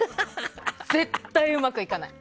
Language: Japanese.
絶対うまくいかない！